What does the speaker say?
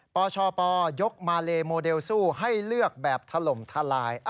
ปชปยกมาเลโมเดลสู้ให้เลือกแบบถล่มทลาย